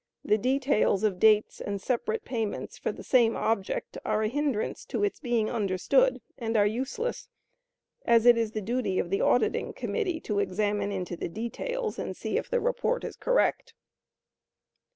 The details of dates and separate payments for the same object, are a hinderance to its being understood, and are useless, as it is the duty of the auditing committee to examine into the details and see if the report is correct.